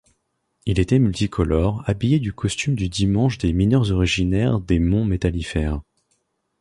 Il était multicolore, habillé du costume du dimanche des mineurs originaires des monts Métallifères.